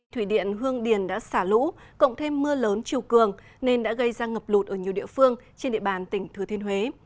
thủy điện hương điền đã xả lũ cộng thêm mưa lớn chiều cường nên đã gây ra ngập lụt ở nhiều địa phương trên địa bàn tỉnh thừa thiên huế